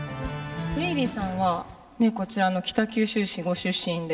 リリーさんはこちらの北九州市ご出身で。